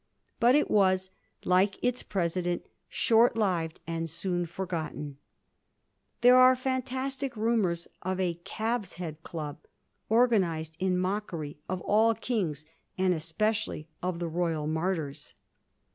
But it was, like its president, short lived and soon forgotten. There are fimtastic rumours of a Calves' Head Club, organised in mockery of all kings, and especially of the royal martyrs.